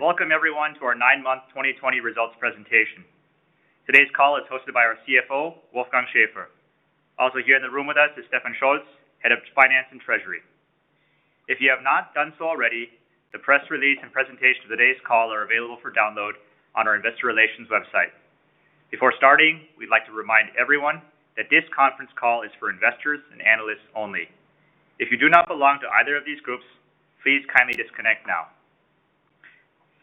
Welcome everyone to our nine-month 2020 results presentation. Today's call is hosted by our CFO, Wolfgang Schäfer. Also here in the room with us is Stefan Scholz, Head of Finance and Treasury. If you have not done so already, the press release and presentation of today's call are available for download on our investor relations website. Before starting, we'd like to remind everyone that this conference call is for investors and analysts only. If you do not belong to either of these groups, please kindly disconnect now.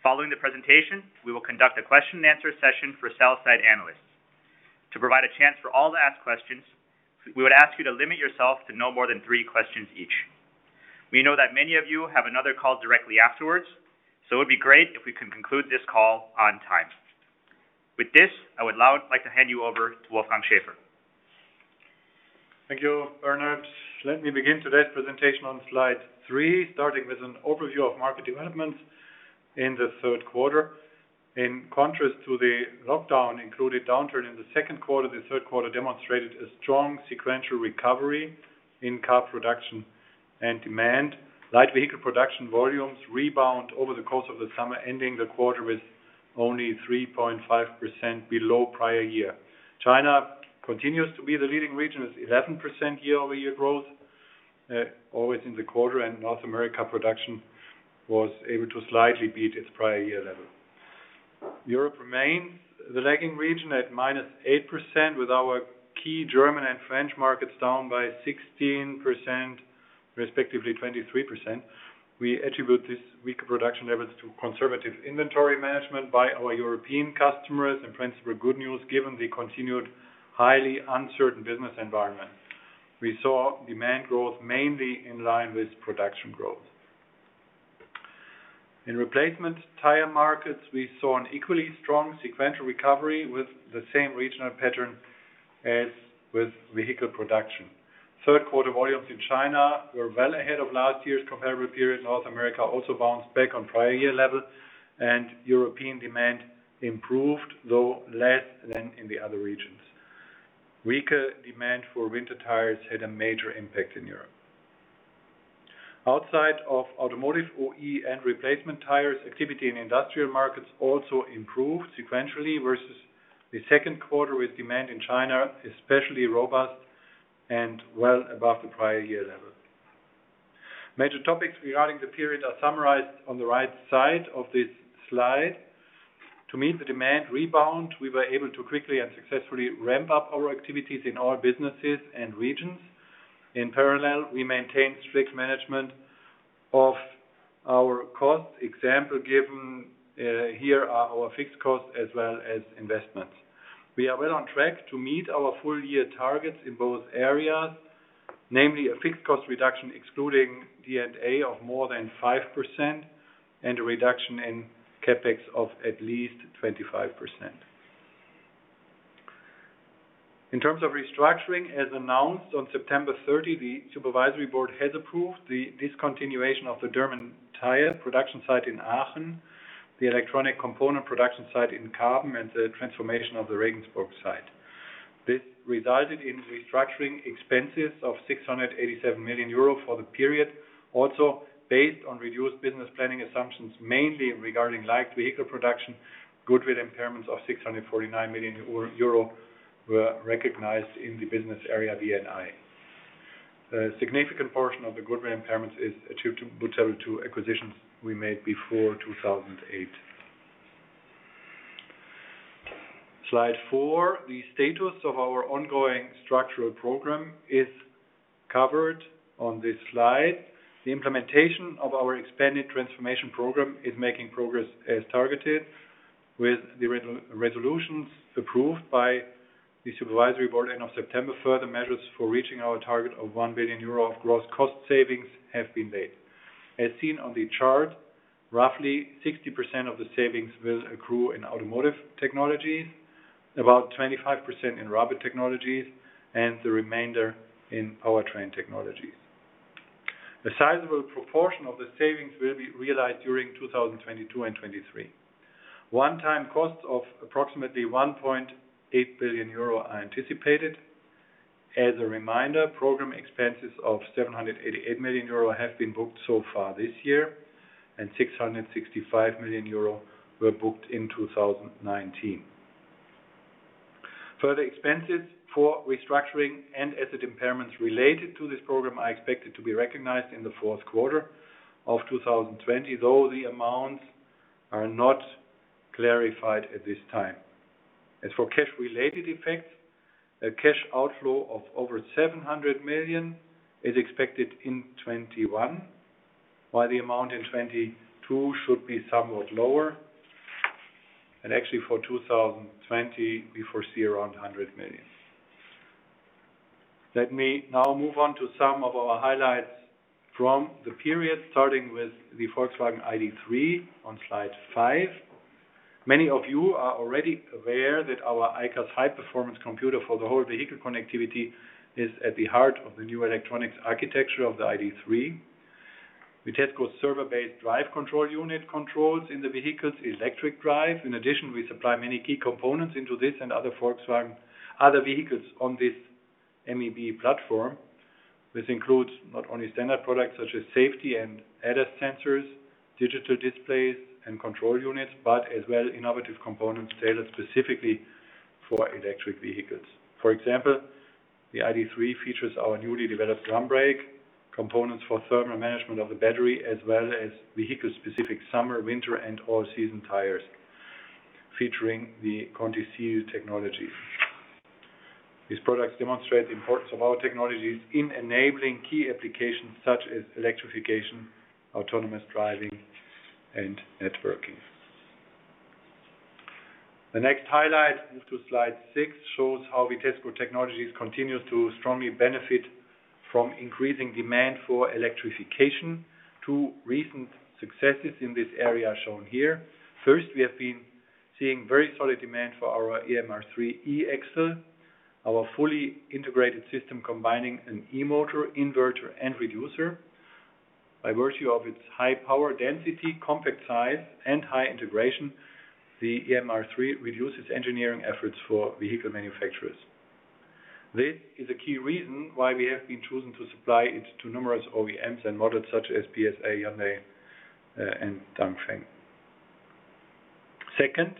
Following the presentation, we will conduct a question and answer session for sell-side analysts. To provide a chance for all to ask questions, we would ask you to limit yourself to no more than three questions each. We know that many of you have another call directly afterwards, so it would be great if we can conclude this call on time. With this, I would now like to hand you over to Wolfgang Schäfer. Thank you, Bernard. Let me begin today's presentation on slide three, starting with an overview of market developments in the third quarter. In contrast to the lockdown-included downturn in the second quarter, the third quarter demonstrated a strong sequential recovery in car production and demand. Light vehicle production volumes rebound over the course of the summer, ending the quarter with only 3.5% below prior year. China continues to be the leading region with 11% year-over-year growth, always in the quarter. North America production was able to slightly beat its prior year level. Europe remains the lagging region at -8%, with our key German and French markets down by 16%, respectively 23%. We attribute this weaker production levels to conservative inventory management by our European customers, in principle, good news given the continued highly uncertain business environment. We saw demand growth mainly in line with production growth. In replacement tire markets, we saw an equally strong sequential recovery with the same regional pattern as with vehicle production. Third quarter volumes in China were well ahead of last year's comparable period. North America also bounced back on prior year level, and European demand improved, though less than in the other regions. Weaker demand for winter tires had a major impact in Europe. Outside of automotive OE and replacement tires, activity in industrial markets also improved sequentially versus the second quarter, with demand in China especially robust and well above the prior year level. Major topics regarding the period are summarized on the right side of this slide. To meet the demand rebound, we were able to quickly and successfully ramp up our activities in all businesses and regions. In parallel, we maintained strict management of our costs. Example given here are our fixed costs as well as investments. We are well on track to meet our full-year targets in both areas, namely a fixed cost reduction excluding D&A of more than 5% and a reduction in CapEx of at least 25%. In terms of restructuring, as announced on September 30, the supervisory board has approved the discontinuation of the German tire production site in Aachen, the electronic component production site in Karben, and the Transformation of the Regensburg site. This resulted in restructuring expenses of 687 million euro for the period, also based on reduced business planning assumptions, mainly regarding light vehicle production, goodwill impairments of 649 million euro were recognized in the business area VNI. A significant portion of the goodwill impairments is attributable to acquisitions we made before 2008. Slide four, the status of our ongoing structural program is covered on this slide. The implementation of our expanded Transformation program is making progress as targeted. With the resolutions approved by the supervisory board end of September, further measures for reaching our target of 1 billion euro of gross cost savings have been made. As seen on the chart, roughly 60% of the savings will accrue in Automotive Technologies, about 25% in Rubber Technologies, and the remainder in Powertrain Technologies. A sizable proportion of the savings will be realized during 2022 and 2023. One-time costs of approximately 1.8 billion euro are anticipated. As a reminder, program expenses of 788 million euro have been booked so far this year, and 665 million euro were booked in 2019. Further expenses for restructuring and asset impairments related to this program are expected to be recognized in the fourth quarter of 2020, though the amounts are not clarified at this time. As for cash-related effects, a cash outflow of over 700 million is expected in 2021, while the amount in 2022 should be somewhat lower. Actually, for 2020, we foresee around 100 million. Let me now move on to some of our highlights from the period, starting with the Volkswagen ID.3 on slide five. Many of you are already aware that our ICAS high-performance computer for the whole vehicle connectivity is at the heart of the new electronics architecture of the ID.3. With headquarter server-based drive control unit controls in the vehicle's electric drive. In addition, we supply many key components into this and other Volkswagen, other vehicles on this MEB platform. This includes not only standard products such as safety and ADAS sensors, digital displays and control units, but as well innovative components tailored specifically for electric vehicles. For example, the ID.3 features our newly developed drum brake, components for thermal management of the battery, as well as vehicle-specific summer, winter, and all-season tires, featuring the ContiSeal technology. These products demonstrate the importance of our technologies in enabling key applications such as electrification, autonomous driving, and networking. The next highlight, move to slide six, shows how Vitesco Technologies continues to strongly benefit from increasing demand for electrification. Two recent successes in this area are shown here. First, we have been seeing very solid demand for our EMR3 axle, our fully integrated system combining an E-motor inverter and reducer. By virtue of its high power density, compact size, and high integration, the EMR3 reduces engineering efforts for vehicle manufacturers. This is a key reason why we have been chosen to supply it to numerous OEMs and models such as PSA, Hyundai, and Dongfeng. Second,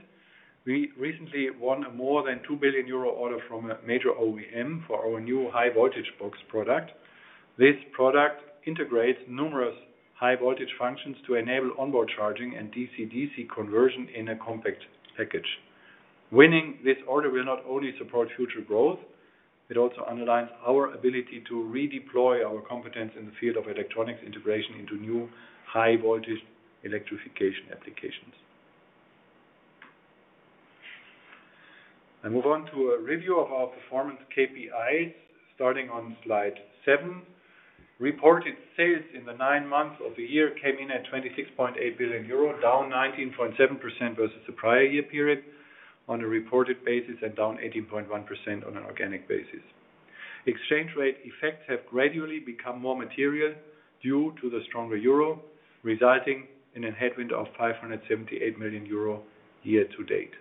we recently won a more than 2 billion euro order from a major OEM for our new high voltage box product. This product integrates numerous high voltage functions to enable onboard charging and DC/DC conversion in a compact package. Winning this order will not only support future growth, it also underlines our ability to redeploy our competence in the field of electronics integration into new high voltage electrification applications. I move on to a review of our performance KPIs starting on slide seven. Reported sales in the nine months of the year came in at 26.8 billion euro, down 19.7% versus the prior year period on a reported basis and down 18.1% on an organic basis. Exchange rate effects have gradually become more material due to the stronger euro, resulting in a headwind of 578 million euro year to date.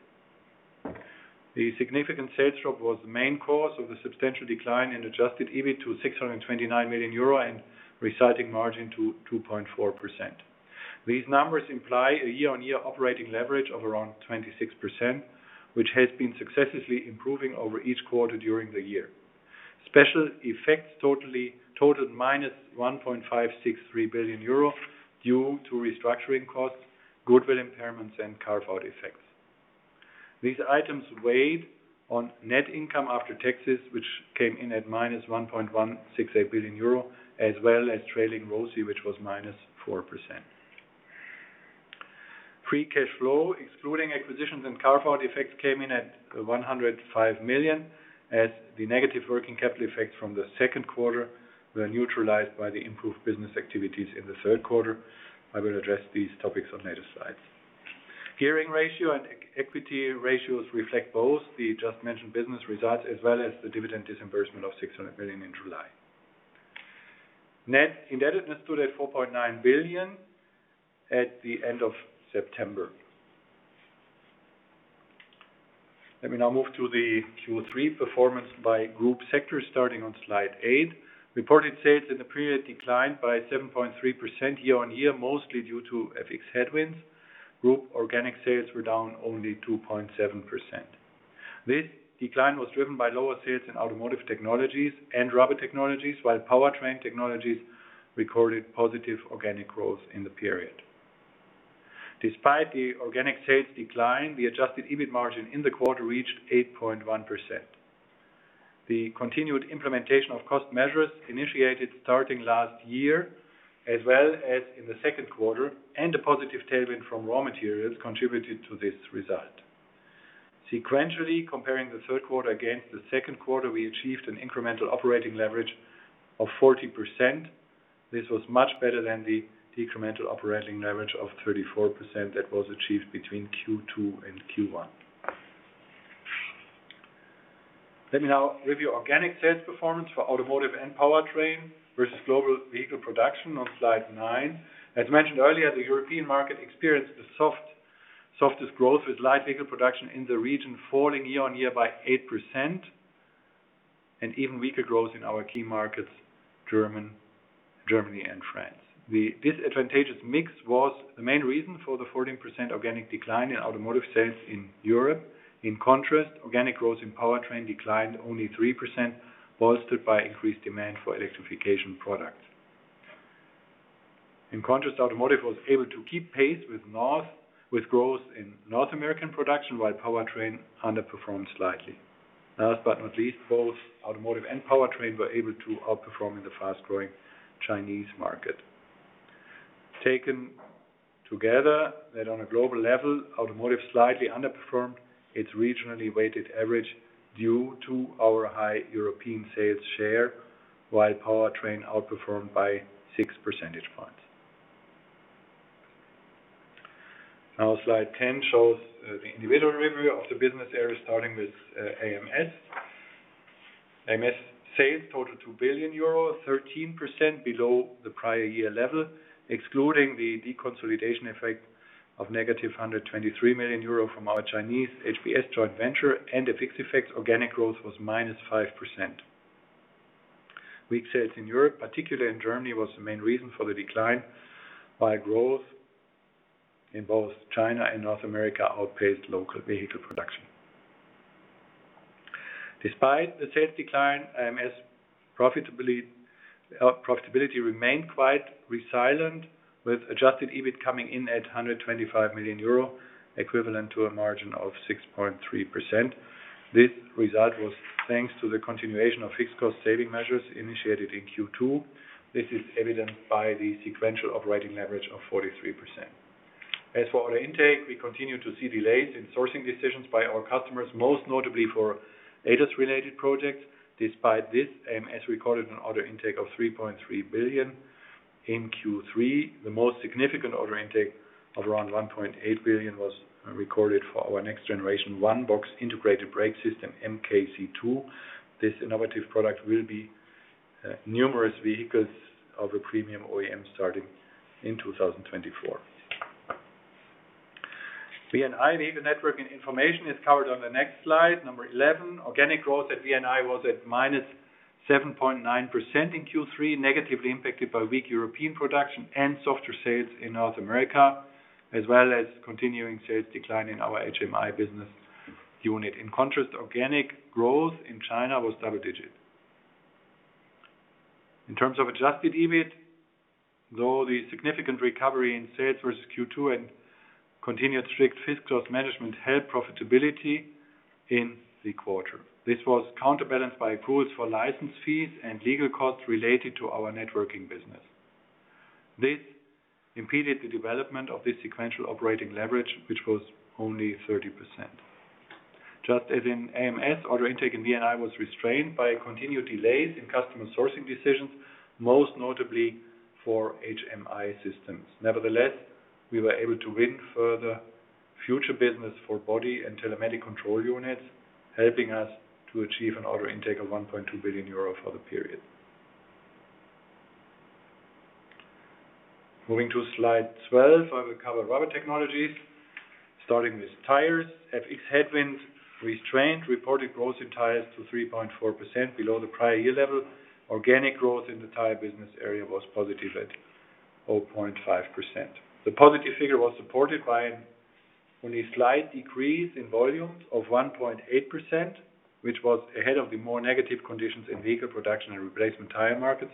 The significant sales drop was the main cause of the substantial decline in adjusted EBIT to 629 million euro and resulting margin to 2.4%. These numbers imply a year-on-year operating leverage of around 26%, which has been successively improving over each quarter during the year. Special effects totaled -1.563 billion euro due to restructuring costs, goodwill impairments, and carve-out effects. These items weighed on net income after taxes, which came in at -1.168 billion euro, as well as trailing ROSI, which was -4%. Free cash flow, excluding acquisitions and carve-out effects, came in at 105 million, as the negative working capital effects from the second quarter were neutralized by the improved business activities in the third quarter. I will address these topics on later slides. Gearing ratio and equity ratios reflect both the just mentioned business results as well as the dividend disbursement of 600 million in July. Net indebtedness stood at 4.9 billion at the end of September. Let me now move to the Q3 performance by group sector starting on slide eight. Reported sales in the period declined by 7.3% year-on-year, mostly due to FX headwinds. Group organic sales were down only 2.7%. This decline was driven by lower sales in Automotive Technologies and Rubber Technologies, while Powertrain Technologies recorded positive organic growth in the period. Despite the organic sales decline, the adjusted EBIT margin in the quarter reached 8.1%. The continued implementation of cost measures initiated starting last year as well as in the second quarter and a positive tailwind from raw materials contributed to this result. Sequentially, comparing the third quarter against the second quarter, we achieved an incremental operating leverage of 40%. This was much better than the decremental operating leverage of 34% that was achieved between Q2 and Q1. Let me now review organic sales performance for Automotive and Powertrain versus global vehicle production on slide nine. As mentioned earlier, the European market experienced the softest growth with light vehicle production in the region falling year-on-year by 8% and even weaker growth in our key markets, Germany and France. The disadvantageous mix was the main reason for the 14% organic decline in Automotive sales in Europe. In contrast, organic growth in Powertrain declined only 3%, bolstered by increased demand for electrification products. In contrast, Automotive was able to keep pace with growth in North American production while Powertrain underperformed slightly. Last but not least, both Automotive and Powertrain were able to outperform in the fast-growing Chinese market. Taken together, that on a global level, Automotive slightly underperformed its regionally weighted average due to our high European sales share, while Powertrain outperformed by 6 percentage points. Slide 10 shows the individual review of the business area starting with AMS. AMS sales totaled 2 billion euro, 13% below the prior year level, excluding the deconsolidation effect of -123 million euro from our Chinese HBS joint venture and the fixed effects organic growth was -5%. Weak sales in Europe, particularly in Germany, was the main reason for the decline, while growth in both China and North America outpaced local vehicle production. Despite the sales decline, AMS profitability remained quite resilient, with adjusted EBIT coming in at 125 million euro, equivalent to a margin of 6.3%. This result was thanks to the continuation of fixed cost saving measures initiated in Q2. This is evident by the sequential operating leverage of 43%. As for order intake, we continue to see delays in sourcing decisions by our customers, most notably for ADAS-related projects. Despite this, AMS recorded an order intake of 3.3 billion in Q3. The most significant order intake of around 1.8 billion was recorded for our next Generation One box integrated brake system, MK C2. This innovative product will be numerous vehicles of a premium OEM starting in 2024. VNI, Vehicle Networking and Information, is covered on the next slide, number 11. Organic growth at VNI was at -7.9% in Q3, negatively impacted by weak European production and softer sales in North America, as well as continuing sales decline in our HMI business unit. In contrast, organic growth in China was double digit. In terms of adjusted EBIT, though the significant recovery in sales versus Q2 and continued strict fiscal management helped profitability in the quarter. This was counterbalanced by accruals for license fees and legal costs related to our networking business. This impeded the development of the sequential operating leverage, which was only 30%. Just as in AMS, order intake in VNI was restrained by continued delays in customer sourcing decisions, most notably for HMI systems. Nevertheless, we were able to win further future business for body and telematic control units, helping us to achieve an order intake of 1.2 billion euro for the period. Moving to slide 12, I will cover rubber technologies, starting with tires. FX headwinds, Restraint reported growth in tires to 3.4%, below the prior year level. Organic growth in the tire business area was positive at 0.5%. The positive figure was supported by an only slight decrease in volumes of 1.8%, which was ahead of the more negative conditions in vehicle production and replacement tire markets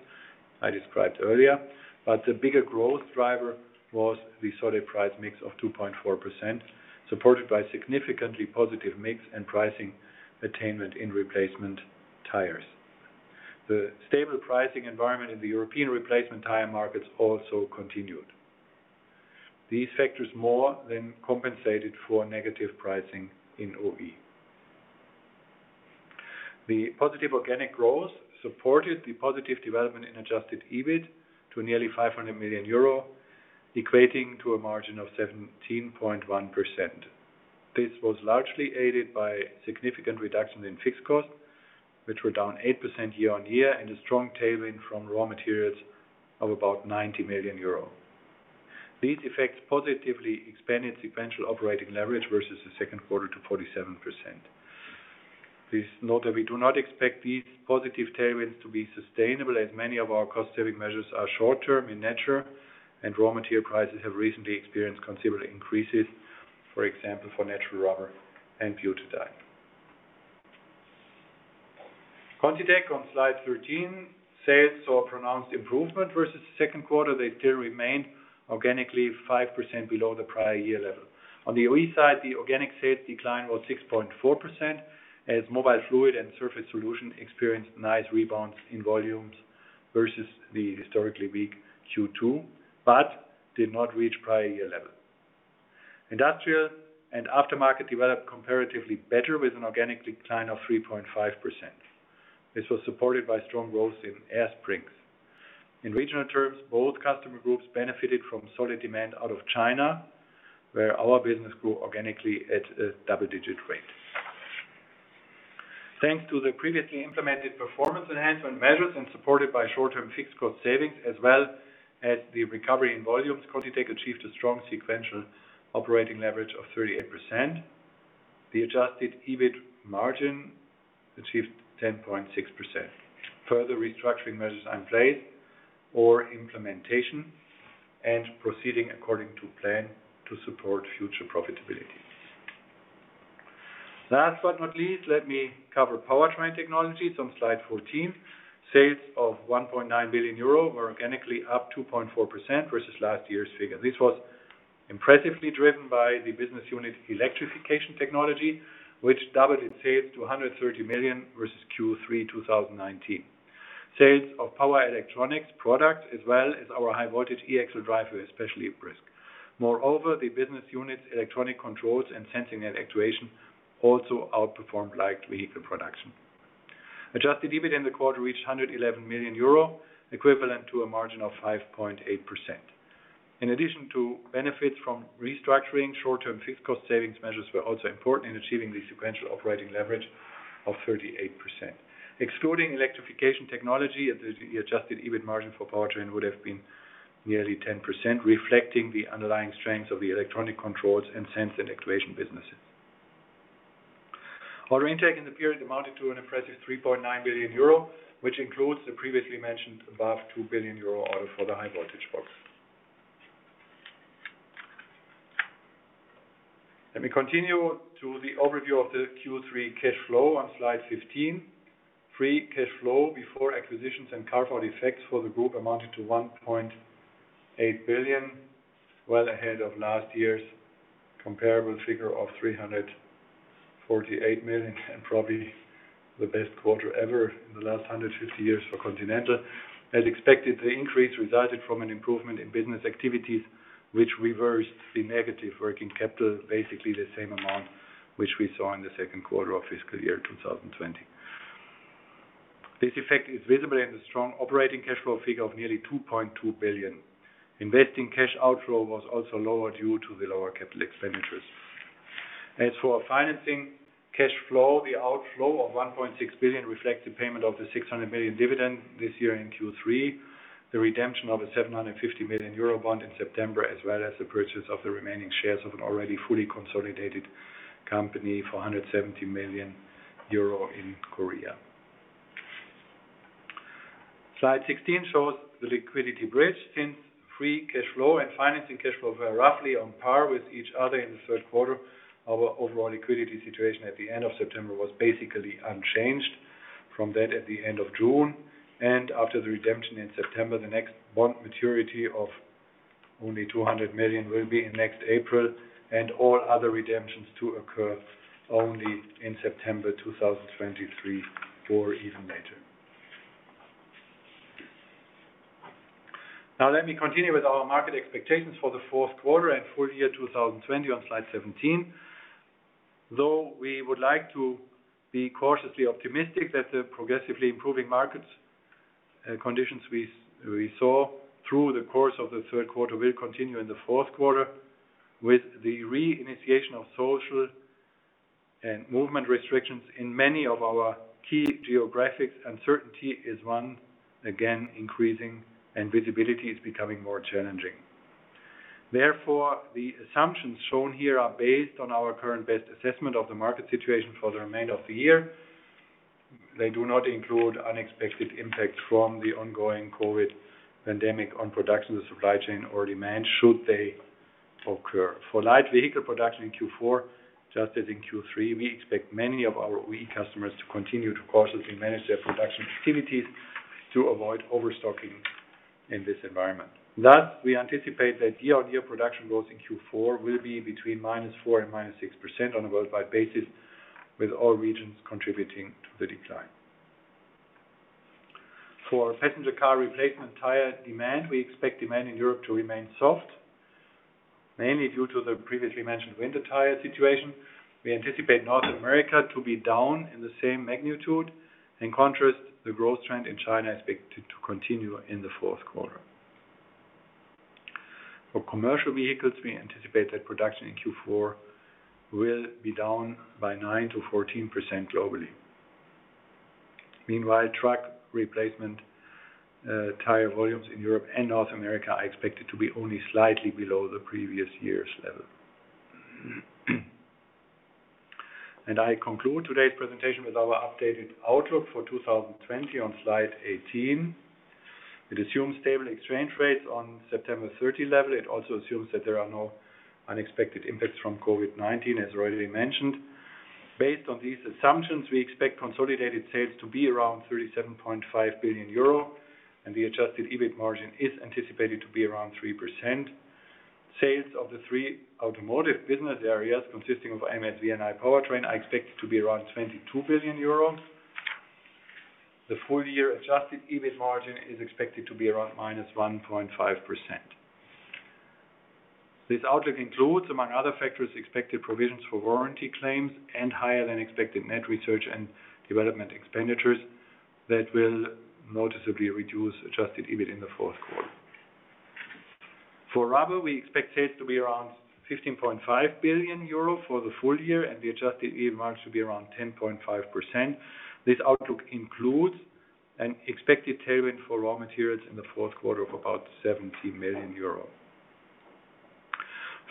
I described earlier. The bigger growth driver was the solid price mix of 2.4%, supported by significantly positive mix and pricing attainment in replacement tires. The stable pricing environment in the European replacement tire markets also continued. These factors more than compensated for negative pricing in OE. The positive organic growth supported the positive development in adjusted EBIT to nearly 500 million euro, equating to a margin of 17.1%. This was largely aided by significant reduction in fixed costs, which were down 8% year-on-year, and a strong tailwind from raw materials of about 90 million euro. These effects positively expanded sequential operating leverage versus the second quarter to 47%. Please note that we do not expect these positive tailwinds to be sustainable, as many of our cost-saving measures are short-term in nature, and raw material prices have recently experienced considerable increases, for example, for natural rubber and butadiene. ContiTech on slide 13, sales saw pronounced improvement versus the second quarter. They still remained organically 5% below the prior year level. On the OE side, the organic sales decline was 6.4% as Mobile Fluid and Surface Solutions experienced nice rebounds in volumes versus the historically weak Q2, but did not reach prior year level. Industrial and aftermarket developed comparatively better with an organic decline of 3.5%. This was supported by strong growth in air springs. In regional terms, both customer groups benefited from solid demand out of China, where our business grew organically at a double-digit rate. Thanks to the previously implemented performance enhancement measures and supported by short-term fixed cost savings, as well as the recovery in volumes, ContiTech achieved a strong sequential operating leverage of 38%. The adjusted EBIT margin achieved 10.6%. Further restructuring measures are in place for implementation and proceeding according to plan to support future profitability. Last but not least, let me cover Powertrain technologies on slide 14. Sales of 1.9 billion euro were organically up 2.4% versus last year's figure. This was impressively driven by the business unit electrification technology, which doubled its sales to 130 million versus Q3 2019. Sales of power electronics product as well as our high voltage axle drive, especially brisk. Moreover, the business unit electronic controls and sensing and actuation also outperformed light vehicle production. Adjusted EBIT in the quarter reached 111 million euro, equivalent to a margin of 5.8%. In addition to benefits from restructuring, short-term fixed cost savings measures were also important in achieving the sequential operating leverage of 38%. Excluding electrification technology, the adjusted EBIT margin for Powertrain would have been nearly 10%, reflecting the underlying strengths of the electronic controls and sense and actuation businesses. Order intake in the period amounted to an impressive 3.9 billion euro, which includes the previously mentioned above 2 billion euro order for the high voltage box. Let me continue to the overview of the Q3 cash flow on slide 15. Free cash flow before acquisitions and carve-out effects for the group amounted to 1.8 billion, well ahead of last year's comparable figure of 348 million, and probably the best quarter ever in the last 150 years for Continental. As expected, the increase resulted from an improvement in business activities, which reversed the negative working capital, basically the same amount which we saw in the second quarter of fiscal year 2020. This effect is visible in the strong operating cash flow figure of nearly 2.2 billion. Investing cash outflow was also lower due to the lower capital expenditures. As for our financing cash flow, the outflow of 1.6 billion reflects the payment of the 600 million dividend this year in Q3, the redemption of a 750 million euro bond in September, as well as the purchase of the remaining shares of an already fully consolidated company for 170 million euro in Korea. Slide 16 shows the liquidity bridge. Since free cash flow and financing cash flow were roughly on par with each other in the third quarter, our overall liquidity situation at the end of September was basically unchanged from that at the end of June. After the redemption in September, the next bond maturity of only 200 million will be next April, and all other redemptions to occur only in September 2023 or even later. Now let me continue with our market expectations for the fourth quarter and full year 2020 on slide 17. We would like to be cautiously optimistic that the progressively improving markets conditions we saw through the course of the third quarter will continue in the fourth quarter. With the reinitiation of social and movement restrictions in many of our key geographies, uncertainty is once again increasing and visibility is becoming more challenging. Therefore, the assumptions shown here are based on our current best assessment of the market situation for the remainder of the year. They do not include unexpected impact from the ongoing COVID pandemic on production or supply chain or demand, should they occur. For light vehicle production in Q4, just as in Q3, we expect many of our OE customers to continue to cautiously manage their production activities to avoid overstocking in this environment. Thus, we anticipate that year-on-year production growth in Q4 will be between -4% and -6% on a worldwide basis, with all regions contributing to the decline. For passenger car replacement tire demand, we expect demand in Europe to remain soft, mainly due to the previously mentioned winter tire situation. We anticipate North America to be down in the same magnitude. In contrast, the growth trend in China is expected to continue in the fourth quarter. For commercial vehicles, we anticipate that production in Q4 will be down by 9%-14% globally. Meanwhile, truck replacement tire volumes in Europe and North America are expected to be only slightly below the previous year's level. I conclude today's presentation with our updated outlook for 2020 on slide 18. It assumes stable exchange rates on September 30 level. It also assumes that there are no unexpected impacts from COVID-19, as already mentioned. Based on these assumptions, we expect consolidated sales to be around 37.5 billion euro, and the adjusted EBIT margin is anticipated to be around 3%. Sales of the three automotive business areas consisting of AMS and VNI Powertrain are expected to be around 22 billion euros. The full year adjusted EBIT margin is expected to be around -1.5%. This outlook includes, among other factors, expected provisions for warranty claims and higher than expected net research and development expenditures that will noticeably reduce adjusted EBIT in the fourth quarter. For Rubber, we expect sales to be around 15.5 billion euro for the full year, and the adjusted EBIT margin to be around 10.5%. This outlook includes an expected tailwind for raw materials in the fourth quarter of about 70 million euro.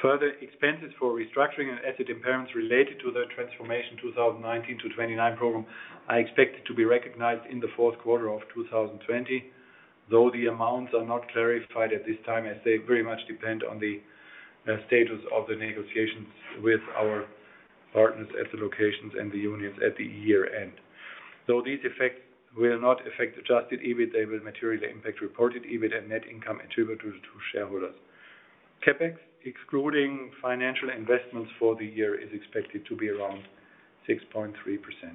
Further expenses for restructuring and asset impairments related to the Transformation 2019-2029 program are expected to be recognized in the fourth quarter of 2020. Though the amounts are not clarified at this time, as they very much depend on the status of the negotiations with our partners at the locations and the unions at the year-end. Though these effects will not affect adjusted EBIT, they will materially impact reported EBIT and net income attributable to shareholders. CapEx, excluding financial investments for the year, is expected to be around 6.3%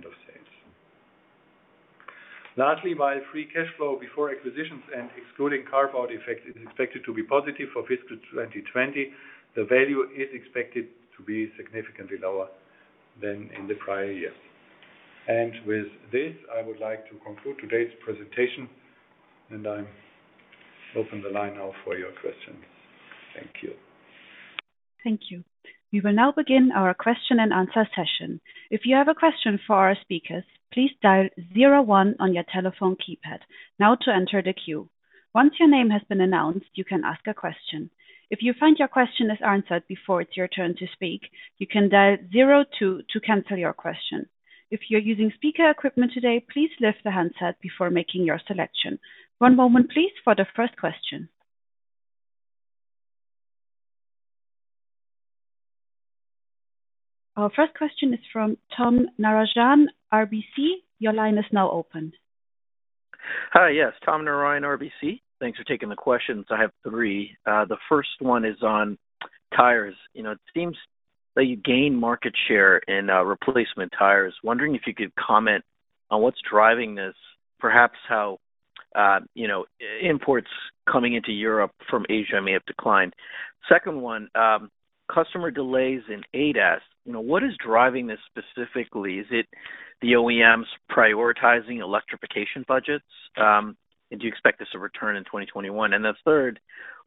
of sales. Lastly, while free cash flow before acquisitions and excluding carve-out effect is expected to be positive for fiscal 2020, the value is expected to be significantly lower than in the prior years. With this, I would like to conclude today's presentation, and I open the line now for your questions. Thank you. Thank you. We will now begin our question and answer session. If you have a question for our speakers, please dial zero one on your telephone keypad now to enter the queue. Once your name has been announced, you can ask a question. If you find your question is answered before it's your turn to speak, you can dial zero two to cancel your question. If you're using speaker equipment today, please lift the handset before making your selection. One moment, please, for the first question. Our first question is from Tom Narayan, RBC. Your line is now open. Hi. Yes, Tom Narayan, RBC. Thanks for taking the questions. I have three. The first one is on tires. Wondering if you could comment on what's driving this, perhaps how imports coming into Europe from Asia may have declined. Second one, customer delays in ADAS. What is driving this specifically? Is it the OEMs prioritizing electrification budgets? Do you expect this to return in 2021? Third,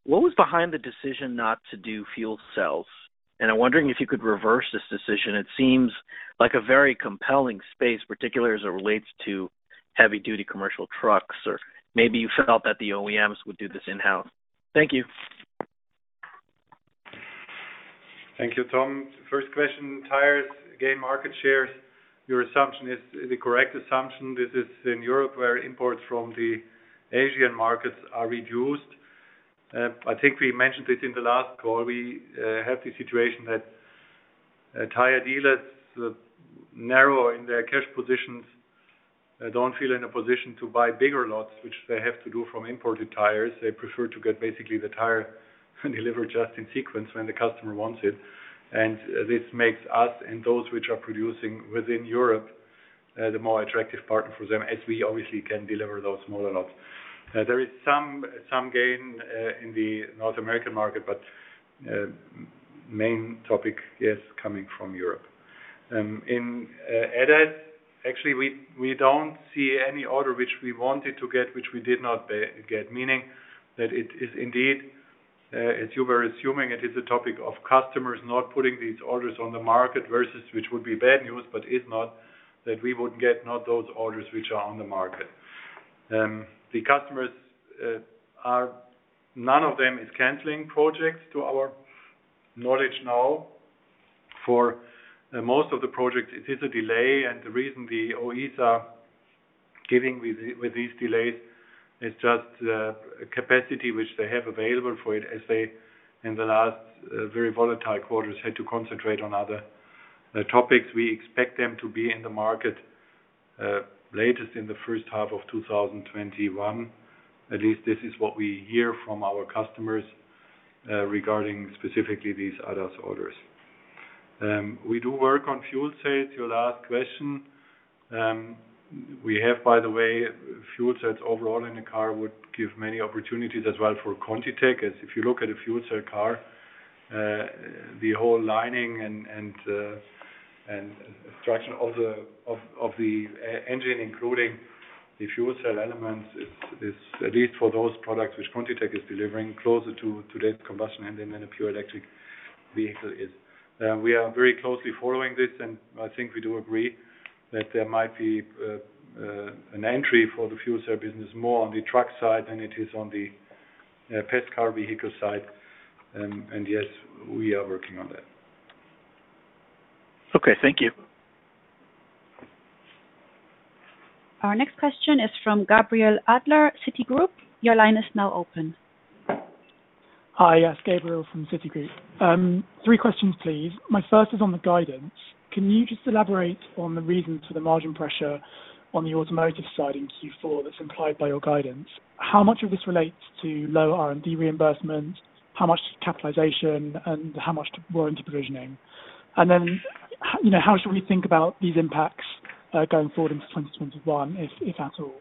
what was behind the decision not to do fuel cells? I'm wondering if you could reverse this decision. It seems like a very compelling space, particularly as it relates to heavy-duty commercial trucks, or maybe you felt that the OEMs would do this in-house. Thank you. Thank you, Tom. First question, tires gain market shares. Your assumption is the correct assumption. This is in Europe, where imports from the Asian markets are reduced. I think we mentioned it in the last call. We have the situation that tire dealers are narrow in their cash positions, don't feel in a position to buy bigger lots, which they have to do from imported tires. They prefer to get basically the tire delivered just in sequence when the customer wants it. This makes us and those which are producing within Europe, the more attractive partner for them, as we obviously can deliver those smaller lots. There is some gain in the North American market, but main topic is coming from Europe. In ADAS, actually, we don't see any order which we wanted to get, which we did not get, meaning that it is indeed, as you were assuming, it is a topic of customers not putting these orders on the market versus which would be bad news, but is not that we would get not those orders which are on the market. The customers, none of them is canceling projects to our knowledge now. For most of the projects, it is a delay, and the reason the OEs are giving with these delays is just capacity which they have available for it as they, in the last very volatile quarters, had to concentrate on other topics. We expect them to be in the market latest in the first half of 2021. At least this is what we hear from our customers regarding specifically these ADAS orders. We do work on fuel cells, your last question. We have, by the way, fuel cells overall in a car would give many opportunities as well for ContiTech, as if you look at a fuel cell car, the whole lining and the structure of the engine, including the fuel cell elements, is at least for those products which ContiTech is delivering closer to today's combustion engine than a pure electric vehicle is. We are very closely following this, and I think we do agree that there might be an entry for the fuel cell business more on the truck side than it is on the pass car vehicle side. Yes, we are working on that. Okay, thank you. Our next question is from Gabriel Adler, Citigroup. Your line is now open. Hi. Yes, Gabriel from Citigroup. Three questions, please. My first is on the guidance. Can you just elaborate on the reasons for the margin pressure on the automotive side in Q4 that's implied by your guidance? How much of this relates to low R&D reimbursement? How much to capitalization, and how much to warranty provisioning? How should we think about these impacts going forward into 2021, if at all?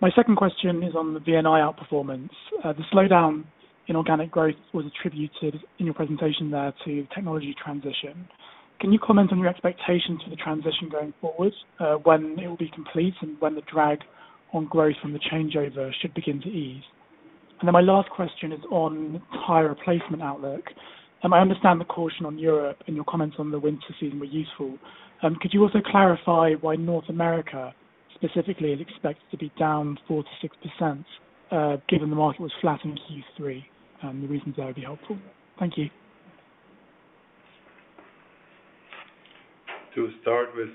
My second question is on the VNI outperformance. The slowdown in organic growth was attributed in your presentation there to technology transition. Can you comment on your expectations for the transition going forward, when it will be complete, and when the drag on growth from the changeover should begin to ease? My last question is on tire replacement outlook. I understand the caution on Europe and your comments on the winter season were useful. Could you also clarify why North America specifically is expected to be down 4%-6%, given the market was flat in Q3, the reasons there would be helpful. Thank you. To start with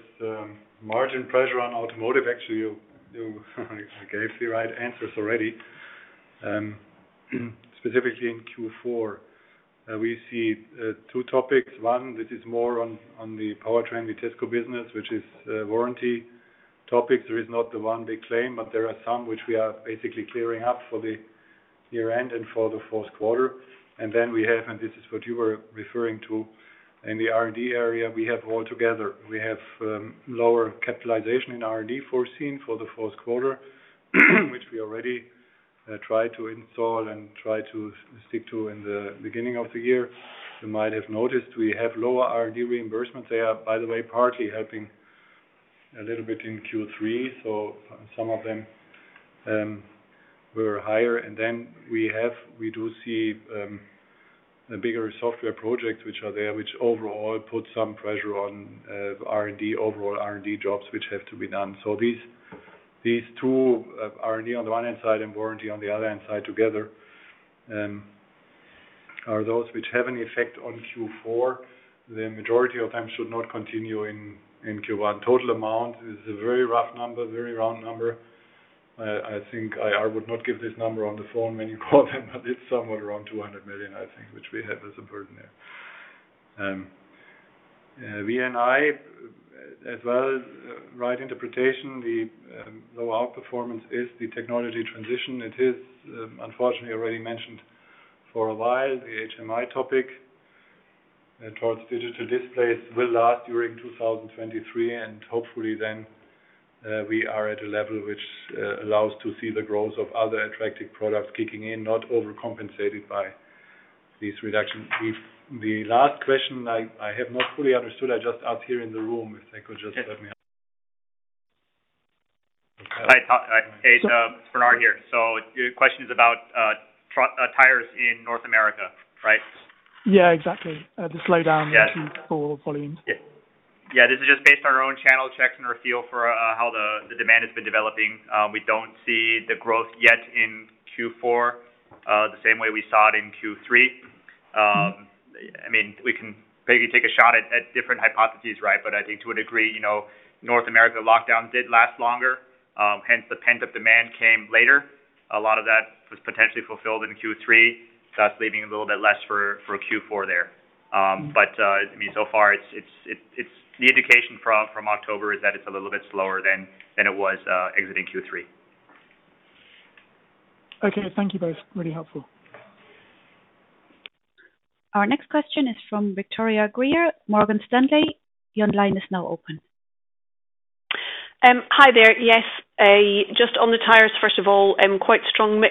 margin pressure on automotive, actually, you gave the right answers already. Specifically in Q4, we see two topics. One, which is more on the Powertrain, the Vitesco business, which is a warranty topic. There is not the one big claim, but there are some which we are basically clearing up for the year-end and for the fourth quarter. Then we have, and this is what you were referring to, in the R&D area, we have altogether, we have lower capitalization in R&D foreseen for the fourth quarter, which we already tried to install and tried to stick to in the beginning of the year. You might have noticed we have lower R&D reimbursements. They are, by the way, partly helping a little bit in Q3. Some of them were higher. We do see a bigger software project which are there, which overall puts some pressure on R&D, overall R&D jobs, which have to be done. These two, R&D on the one hand side and warranty on the other hand side together, are those which have an effect on Q4. The majority of them should not continue in Q1. Total amount is a very rough number, very round number. I think I would not give this number on the phone when you call them, but it's somewhere around 200 million, I think, which we have as a burden there. VNI, as well, right interpretation, the low outperformance is the technology transition. It is, unfortunately, already mentioned for a while, the HMI topic towards digital displays will last during 2023, and hopefully then we are at a level which allows to see the growth of other attractive products kicking in, not overcompensating by these reductions. The last question, I have not fully understood. Hi, it's Bernard here. Your question is about tires in North America, right? Yeah, exactly. Yes Q4 volumes. Yeah. This is just based on our own channel checks and our feel for how the demand has been developing. We don't see the growth yet in Q4, the same way we saw it in Q3. We can maybe take a shot at different hypotheses, but I think to a degree, North America lockdown did last longer, hence the pent-up demand came later. A lot of that was potentially fulfilled in Q3, thus leaving a little bit less for Q4 there. So far, the indication from October is that it's a little bit slower than it was exiting Q3. Okay. Thank you both. Really helpful. Our next question is from Victoria Greer, Morgan Stanley. Your line is now open. Hi there. Yes, just on the tires, first of all, quite strong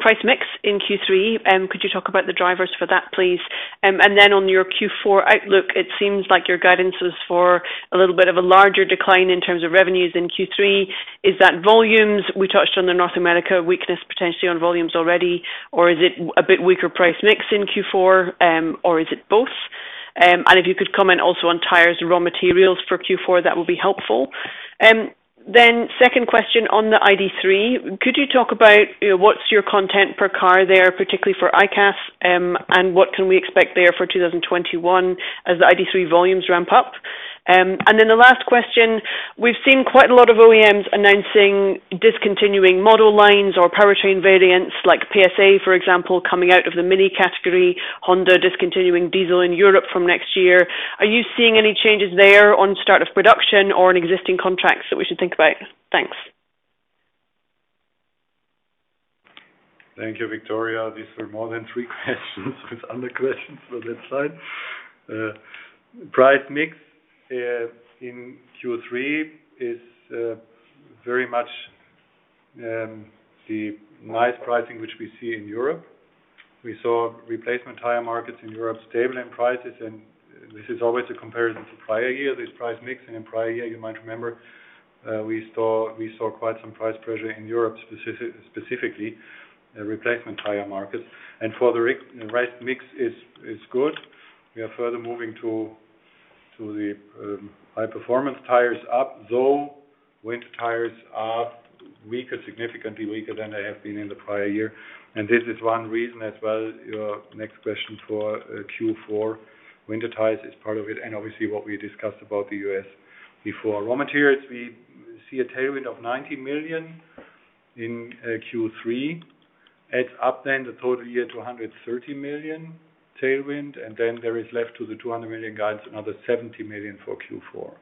price mix in Q3. Could you talk about the drivers for that, please? On your Q4 outlook, it seems like your guidance is for a little bit of a larger decline in terms of revenues in Q3. Is that volumes? We touched on the North America weakness potentially on volumes already, or is it a bit weaker price mix in Q4, or is it both? If you could comment also on tires raw materials for Q4, that would be helpful. Second question on the ID.3, could you talk about what's your content per car there, particularly for ICAS, and what can we expect there for 2021 as the ID.3 volumes ramp up? The last question, we've seen quite a lot of OEMs announcing discontinuing model lines or Powertrain variants like PSA, for example, coming out of the mini category, Honda discontinuing diesel in Europe from next year. Are you seeing any changes there on start of production or in existing contracts that we should think about? Thanks. Thank you, Victoria. These were more than three questions with other questions for that side. Price mix in Q3 is very much the nice pricing which we see in Europe. We saw replacement tire markets in Europe stable in prices, this is always a comparison to prior year, this price mix. In prior year, you might remember, we saw quite some price pressure in Europe, specifically replacement tire markets. For the rest, mix is good. We are further moving to the high-performance tires up, though winter tires are weaker, significantly weaker than they have been in the prior year. This is one reason as well, your next question for Q4. Winter tires is part of it, obviously what we discussed about the U.S. before. Raw materials, we see a tailwind of 90 million in Q3. Adds up the total year to 130 million tailwind. There is left to the 200 million guides, another 70 million for Q4.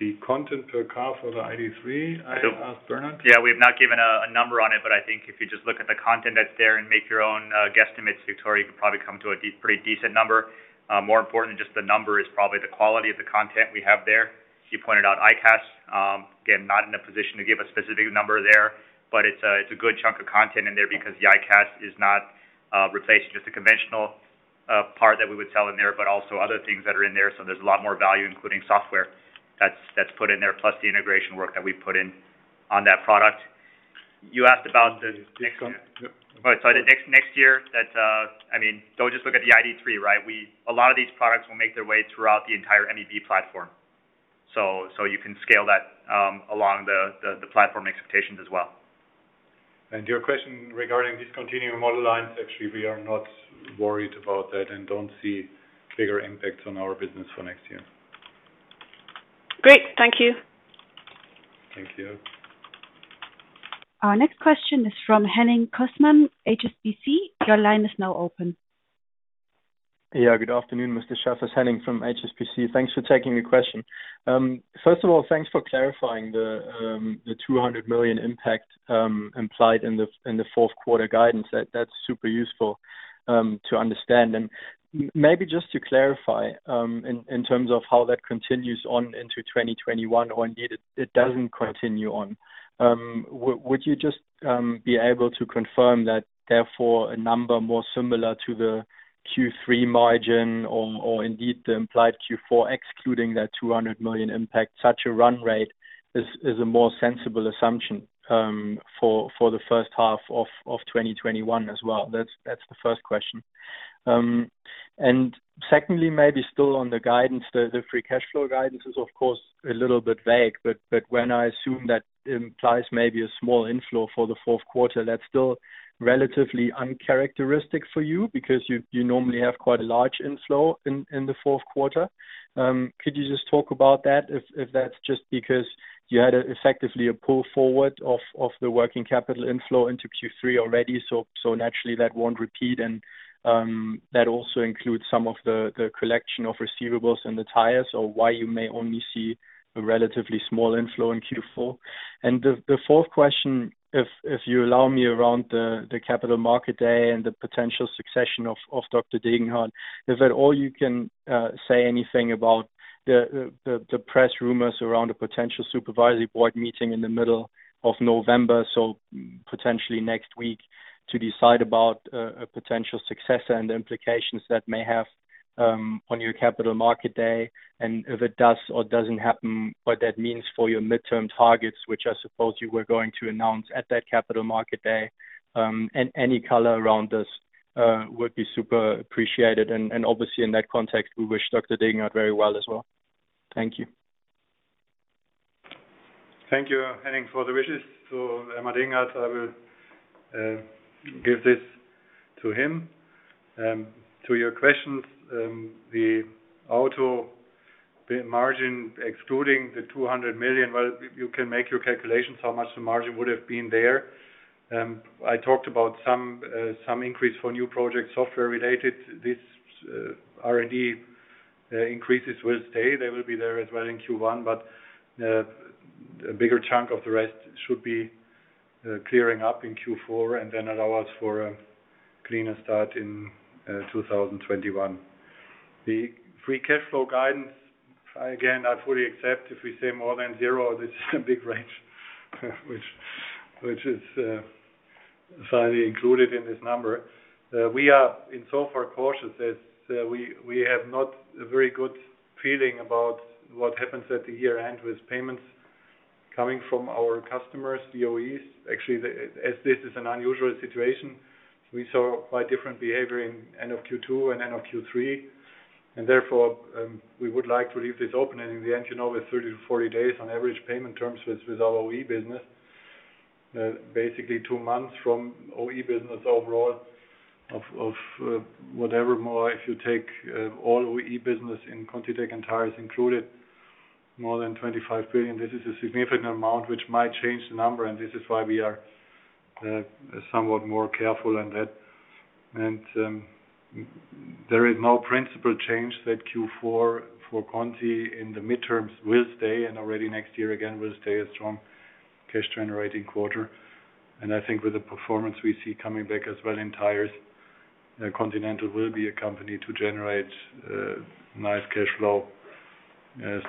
The content per car for the ID.3, I ask Bernard. Yeah, we have not given a number on it, but I think if you just look at the content that's there and make your own guesstimates, Victoria, you could probably come to a pretty decent number. More important than just the number is probably the quality of the content we have there. You pointed out ICAS. Again, not in a position to give a specific number there, but it's a good chunk of content in there because the ICAS is not replacing just the conventional part that we would sell in there, but also other things that are in there. There's a lot more value, including software that's put in there, plus the integration work that we put in on that product. Next one. Yep Right. Next year, don't just look at the ID.3. A lot of these products will make their way throughout the entire MEB platform. You can scale that along the platform expectations as well. Your question regarding discontinuing model lines, actually, we are not worried about that and don't see bigger impacts on our business for next year. Great. Thank you. Thank you. Our next question is from Henning Cosman, HSBC. Your line is now open. Good afternoon, Mr. Schäfer. Henning from HSBC. Thanks for taking the question. First of all, thanks for clarifying the 200 million impact implied in the fourth quarter guidance. That's super useful to understand. Maybe just to clarify, in terms of how that continues on into 2021, or indeed it doesn't continue on. Would you just be able to confirm that therefore a number more similar to the Q3 margin or indeed the implied Q4, excluding that 200 million impact, such a run rate is a more sensible assumption for the first half of 2021 as well. That's the first question. Secondly, maybe still on the guidance, the free cash flow guidance is, of course, a little bit vague. When I assume that implies maybe a small inflow for the fourth quarter, that's still relatively uncharacteristic for you because you normally have quite a large inflow in the fourth quarter. Could you just talk about that, if that's just because you had effectively a pull forward of the working capital inflow into Q3 already, so naturally that won't repeat. That also includes some of the collection of receivables and the tires, or why you may only see a relatively small inflow in Q4. The fourth question, if you allow me, around the Capital Market Day and the potential succession of Dr. Degenhart, is that all you can say anything about the press rumors around a potential supervisory board meeting in the middle of November, so potentially next week, to decide about a potential successor and the implications that may have on your Capital Market Day. If it does or doesn't happen, what that means for your midterm targets, which I suppose you were going to announce at that Capital Market Day. Any color around this would be super appreciated. Obviously in that context, we wish Dr. Degenhart very well as well. Thank you. Thank you, Henning, for the wishes to Elmar Degenhart. I will give this to him. To your questions, the auto margin excluding the 200 million, well, you can make your calculations how much the margin would have been there. I talked about some increase for new project software related. These R&D increases will stay. They will be there as well in Q1, but a bigger chunk of the rest should be clearing up in Q4 and then allow us for a cleaner start in 2021. The free cash flow guidance, again, I fully accept if we say more than zero, this is a big range, which is finally included in this number. We are in so far cautious as we have not a very good feeling about what happens at the year-end with payments coming from our customers, OEMs. Actually, as this is an unusual situation, we saw quite different behavior in end of Q2 and end of Q3, and therefore, we would like to leave this open. In the end, with 30-40 days on average payment terms with our OE business, basically two months from OE business overall of whatever more, if you take all OE business in ContiTech and tires included, more than 25 billion. This is a significant amount which might change the number, and this is why we are somewhat more careful on that. There is no principle change that Q4 for Conti in the midterms will stay, and already next year again will stay a strong cash-generating quarter. I think with the performance we see coming back as well in tires, Continental will be a company to generate nice cash flow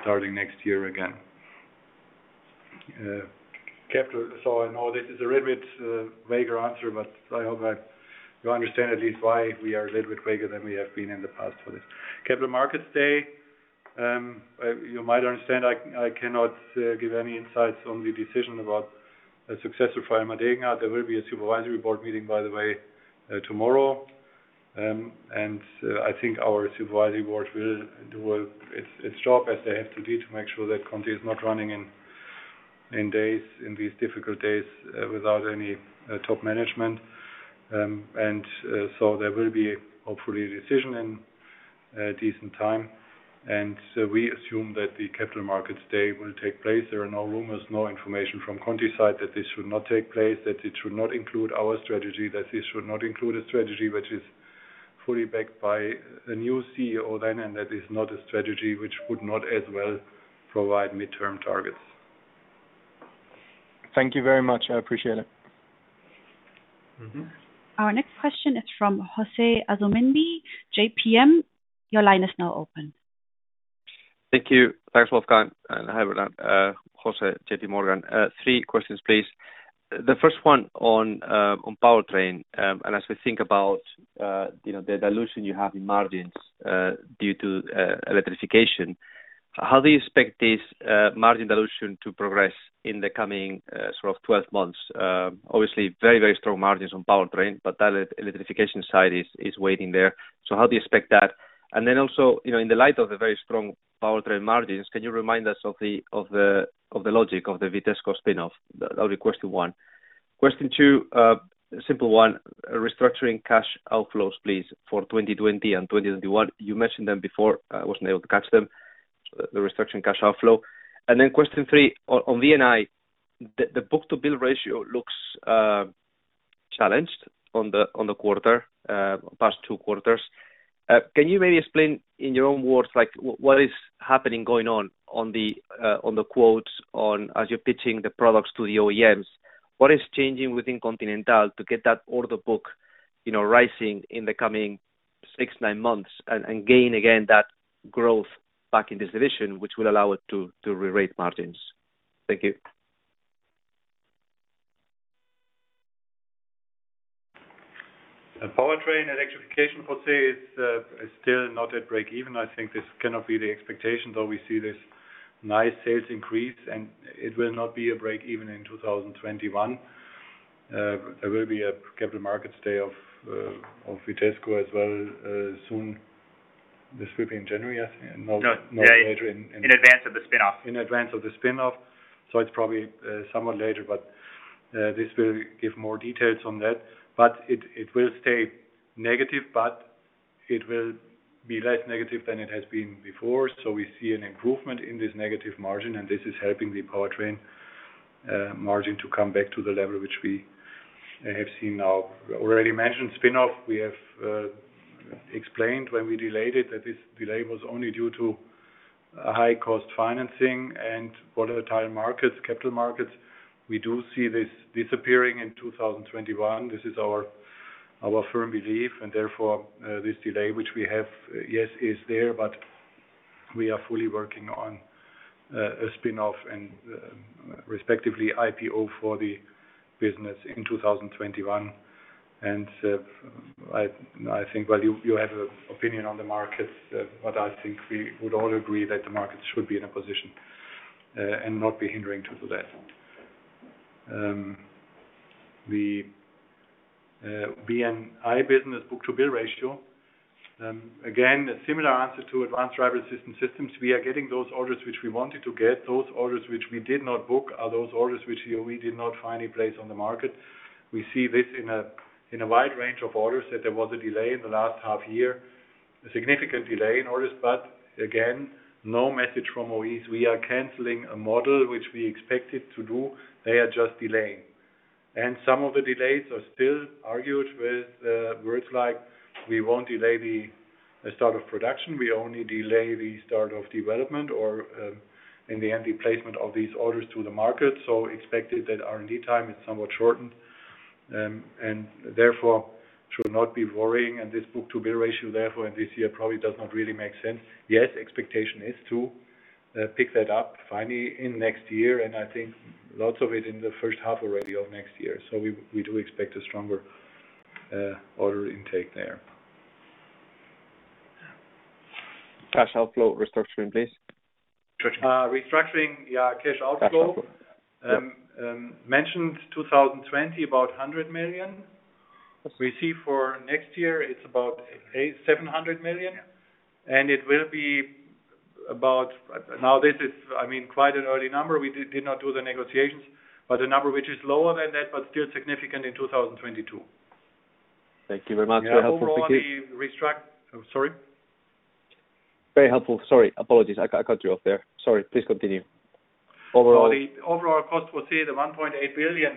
starting next year again. I know this is a little bit vaguer answer, but I hope that you understand at least why we are a little bit vaguer than we have been in the past for this. Capital Markets Day, you might understand I cannot give any insights on the decision about a successor for Elmar Degenhart. There will be a supervisory board meeting, by the way, tomorrow, and I think our supervisory board will do its job as they have to do to make sure that Conti is not running in these difficult days without any top management. There will be, hopefully, a decision in decent time. We assume that the Capital Markets Day will take place. There are no rumors, no information from Conti side that this should not take place, that it should not include our strategy, that this should not include a strategy which is fully backed by a new CEO then, and that is not a strategy which would not as well provide midterm targets. Thank you very much. I appreciate it. Our next question is from José Asumendi, JPM. Your line is now open. Thank you. Thanks, Wolfgang, and hi, Bernard. José, JPMorgan. Three questions, please. The first one on Powertrain. As we think about the dilution you have in margins due to electrification, how do you expect this margin dilution to progress in the coming sort of 12 months? Obviously, very, very strong margins on Powertrain, but that electrification side is waiting there. How do you expect that? Also, in the light of the very strong Powertrain margins, can you remind us of the logic of the Vitesco spin-off? That would be question one. Question two, a simple one, restructuring cash outflows, please, for 2020 and 2021. You mentioned them before. I wasn't able to catch them, the restructuring cash outflow. Question three, on VNI, the book-to-bill ratio looks challenged on the quarter, past two quarters. Can you maybe explain in your own words, like what is happening, going on the quotes as you're pitching the products to the OEMs? What is changing within Continental to get that order book rising in the coming six, nine months and gain again that growth back in this division, which will allow it to rerate margins? Thank you. The Powertrain electrification for sale is still not at breakeven. I think this cannot be the expectation, though we see this nice sales increase, and it will not be a breakeven in 2021. There will be a capital markets day of Vitesco as well, soon. This will be in January, I think. No, later. In advance of the spin-off. In advance of the spin-off. It's probably somewhat later, but this will give more details on that. It will stay negative, but it will be less negative than it has been before. We see an improvement in this negative margin, and this is helping the Powertrain margin to come back to the level which we have seen now. Already mentioned spin-off. We have explained when we delayed it, that this delay was only due to high-cost financing and volatile markets, capital markets. We do see this disappearing in 2021. This is our firm belief. Therefore, this delay, which we have, yes, is there, but we are fully working on a spin-off and respectively IPO for the business in 2021. I think while you have an opinion on the markets, what I think we would all agree that the markets should be in a position and not be hindering to that. The VNI business book-to-bill ratio. Again, a similar answer to Advanced Driver-Assistance Systems. We are getting those orders which we wanted to get. Those orders which we did not book are those orders which we did not find a place on the market. We see this in a wide range of orders, that there was a delay in the last half year, a significant delay in orders, but again, no message from OEs. We are canceling a model which we expected to do. They are just delaying. Some of the delays are still argued with words like, "We won't delay the start of production, we only delay the start of development," or in the end the placement of these orders to the market, so expected that R&D time is somewhat shortened, and therefore, should not be worrying. This book-to-bill ratio, therefore, in this year probably does not really make sense. Yes, expectation is to pick that up finally in next year, and I think lots of it in the first half already of next year. We do expect a stronger order intake there. Cash outflow restructuring, please. Restructuring, yeah, cash outflow. Cash outflow. Yep. Mentioned 2020, about 100 million. We see for next year it's about 700 million. It will be about, now this is quite an early number. We did not do the negotiations, but a number which is lower than that, but still significant in 2022. Thank you very much. That helpful to keep. Overall, Sorry? Very helpful. Sorry, apologies. I cut you off there. Sorry. Please continue. Overall- The overall cost will see the 1.8 billion,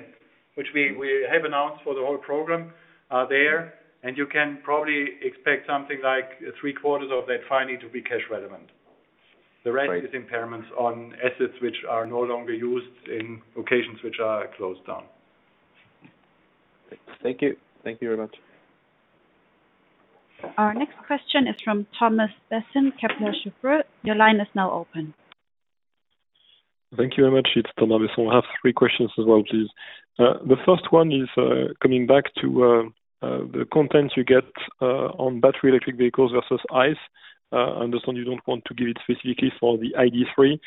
which we have announced for the whole program are there, and you can probably expect something like 3/4 of that finally to be cash relevant. Great. The rest is impairments on assets which are no longer used in locations which are closed down. Thanks. Thank you. Thank you very much. Our next question is from Thomas Besson, Kepler Cheuvreux. Thank you very much. It's Thomas Besson. I have three questions as well, please. The first one is coming back to the content you get on battery electric vehicles versus ICE. I understand you don't want to give it specifically for the ID.3,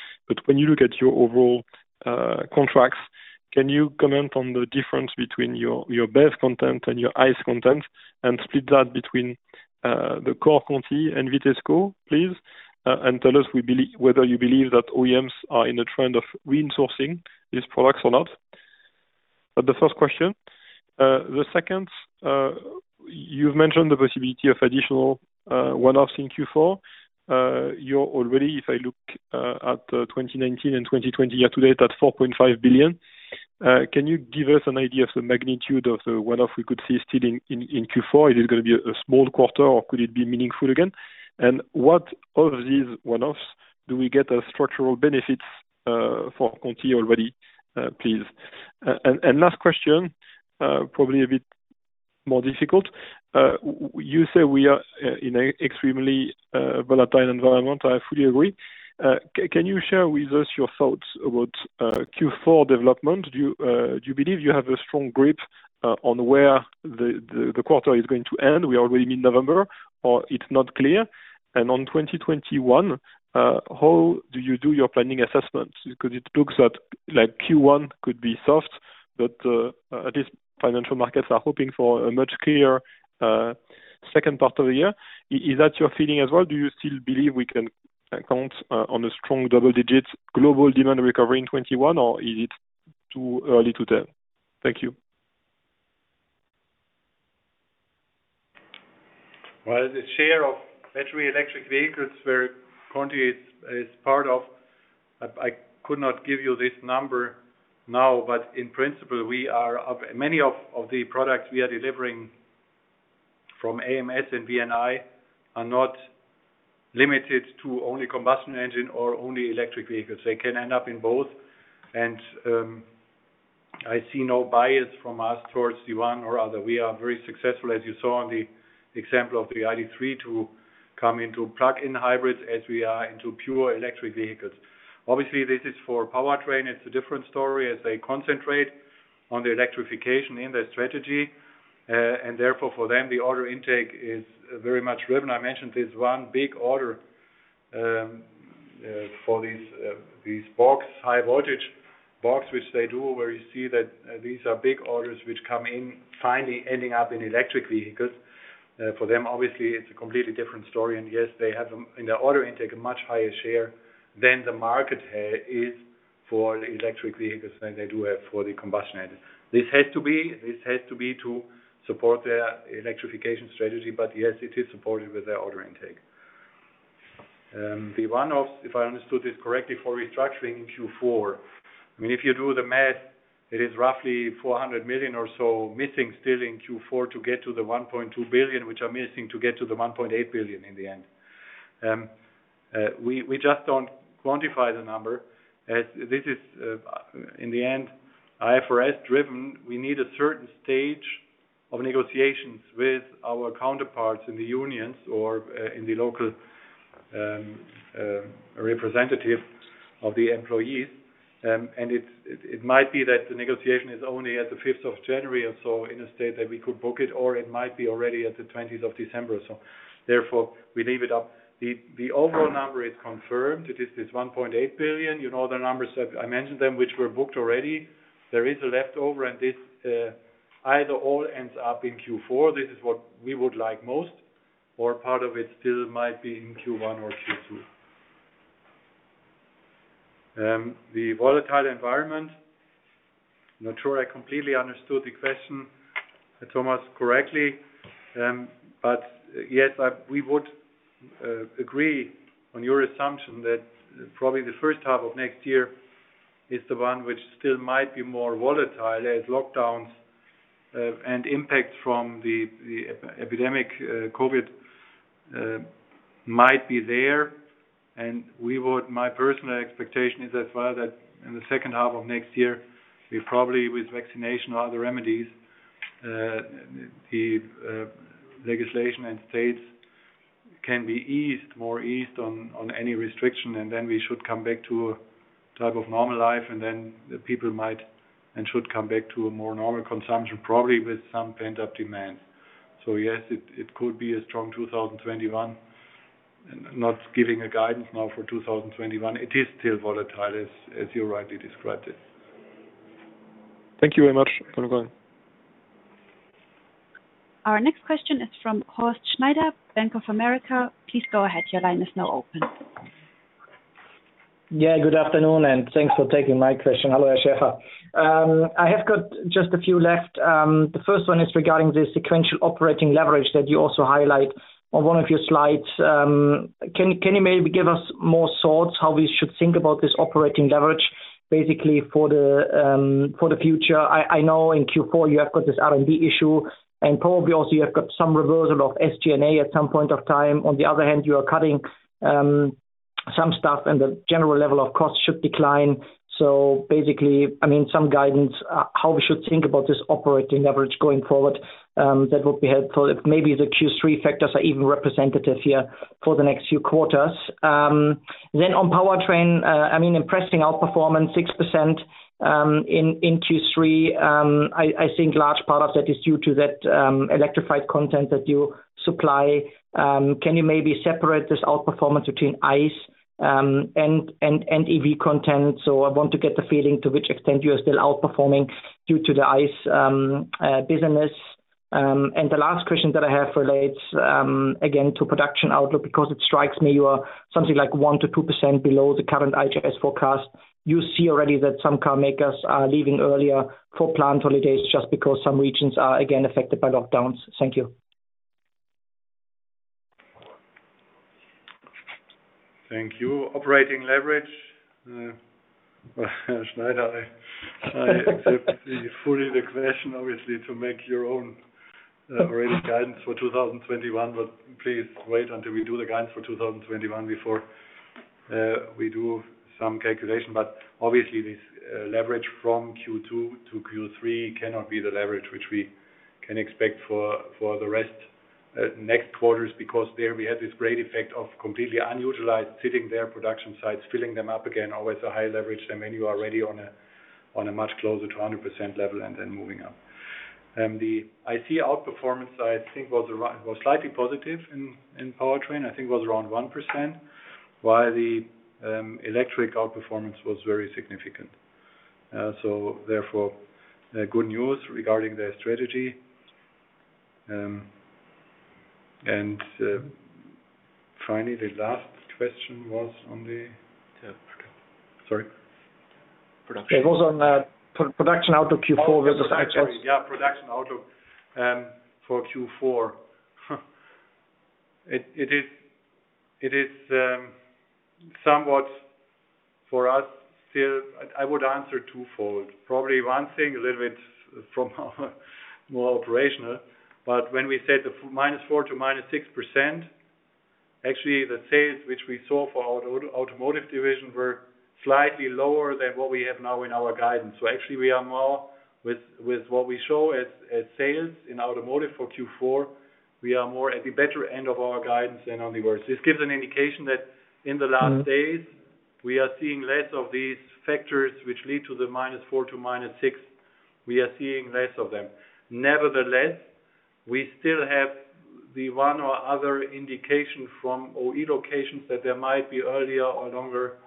when you look at your overall contracts, can you comment on the difference between your BEV content and your ICE content, and split that between the core Conti and Vitesco, please? Tell us whether you believe that OEMs are in a trend of reinsourcing these products or not. That the first question. The second, you've mentioned the possibility of additional one-offs in Q4. You're already, if I look at 2019 and 2020 year to date, at 4.5 billion. Can you give us an idea of the magnitude of the one-off we could see still in Q4? Is it going to be a small quarter, or could it be meaningful again? What of these one-offs do we get structural benefits for Conti already, please? Last question, probably a bit more difficult. You say we are in an extremely volatile environment. I fully agree. Can you share with us your thoughts about Q4 development? Do you believe you have a strong grip on where the quarter is going to end, we are already in November, or it's not clear? On 2021, how do you do your planning assessments? It looks like Q1 could be soft, but at least financial markets are hoping for a much clearer second part of the year. Is that your feeling as well? Do you still believe we can count on a strong double-digit global demand recovery in 2021, or is it too early to tell? Thank you. Well, the share of battery electric vehicles where Conti is part of, I could not give you this number now, but in principle, many of the products we are delivering from AMS and VNI are not limited to only combustion engine or only electric vehicles. They can end up in both. I see no bias from us towards the one or other. We are very successful, as you saw on the example of the ID.3, to come into plug-in hybrids as we are into pure electric vehicles. Obviously, this is for Powertrain, it's a different story as they concentrate on the electrification in their strategy. Therefore for them, the order intake is very much driven. I mentioned this one big order for these box, high voltage box, which they do, where you see that these are big orders which come in finally ending up in electric vehicles. For them, obviously, it's a completely different story. Yes, they have in their order intake a much higher share than the market is for the electric vehicles than they do have for the combustion engine. This has to be to support their electrification strategy. Yes, it is supported with their order intake. The one-offs, if I understood this correctly, for restructuring in Q4, if you do the math, it is roughly 400 million or so missing still in Q4 to get to the 1.2 billion, which are missing to get to the 1.8 billion in the end. We just don't quantify the number. This is, in the end, IFRS-driven. We need a certain stage of negotiations with our counterparts in the unions or in the local representative of the employees. It might be that the negotiation is only at the 5th of January, and so in a state that we could book it or it might be already at the 20th of December. Therefore, we leave it up. The overall number is confirmed. It is this 1.8 billion. You know the numbers, I mentioned them, which were booked already. There is a leftover, and this either all ends up in Q4, this is what we would like most, or part of it still might be in Q1 or Q2. The volatile environment. Not sure I completely understood the question, Thomas, correctly. Yes, we would agree on your assumption that probably the first half of next year is the one which still might be more volatile as lockdowns and impacts from the epidemic, COVID, might be there. My personal expectation is as well that in the second half of next year, we probably with vaccination or other remedies, the legislation and states can be more eased on any restriction, and then we should come back to a type of normal life, and then the people might and should come back to a more normal consumption, probably with some pent-up demand. Yes, it could be a strong 2021. Not giving a guidance now for 2021. It is still volatile as you rightly described it. Thank you very much. Our next question is from Horst Schneider, Bank of America. Please go ahead. Your line is now open. Good afternoon, thanks for taking my question. Hello, Schäfer. I have got just a few left. The first one is regarding the sequential operating leverage that you also highlight on one of your slides. Can you maybe give us more thoughts how we should think about this operating leverage basically for the future? I know in Q4 you have got this R&D issue and probably also you have got some reversal of SG&A at some point of time. On the other hand, you are cutting some stuff and the general level of cost should decline. Basically, some guidance, how we should think about this operating leverage going forward, that would be helpful if maybe the Q3 factors are even representative here for the next few quarters. On Powertrain, impressing outperformance 6% in Q3. I think large part of that is due to that electrified content that you supply. Can you maybe separate this outperformance between ICE and EV content? I want to get the feeling to which extent you are still outperforming due to the ICE business. The last question that I have relates again to production outlook, because it strikes me you are something like 1%-2% below the current IHS forecast. You see already that some car makers are leaving earlier for plant holidays just because some regions are again affected by lockdowns. Thank you. Thank you. Operating leverage. Schneider, I accept fully the question obviously to make your own range guidance for 2021, but please wait until we do the guidance for 2021 before we do some calculation. Obviously, this leverage from Q2 to Q3 cannot be the leverage which we can expect for the rest next quarters, because there we had this great effect of completely unutilized sitting there, production sites, filling them up again, always a high leverage. You are already on a much closer to 100% level and then moving up. The ICE outperformance, I think, was slightly positive in Powertrain. I think it was around 1%, while the electric outperformance was very significant. Therefore, good news regarding their strategy. Finally, the last question was on the Sorry. Production. It was on production out of Q4 versus IHS. Yeah, production out for Q4. It is somewhat for us still, I would answer twofold. One thing a little bit from more operational. Actually, when we said the -4% to -6%, the sales which we saw for our automotive division were slightly lower than what we have now in our guidance. Actually, with what we show as sales in automotive for Q4, we are more at the better end of our guidance than on the worse. This gives an indication that in the last days, we are seeing less of these factors which lead to the -4% to -6%. We are seeing less of them. Nevertheless, we still have the one or other indication from OE locations that there might be earlier or longer